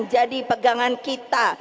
jadi pegangan kita